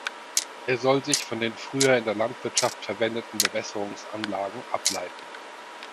Er soll sich von den früher in der Landwirtschaft verwendeten Bewässerungsanlagen ableiten.